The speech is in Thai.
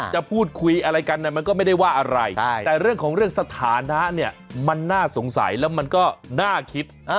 จะพูดคุยอะไรกันมันก็ไม่ได้ว่าอะไรแต่เรื่องของเรื่องสถานะเนี่ยมันน่าสงสัยแล้วมันก็น่าคิด